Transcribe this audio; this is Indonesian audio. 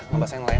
ngebahas yang lain